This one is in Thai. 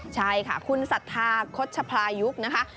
ใช่ค่ะคุณสัทธาคดชพลายุกนะคะ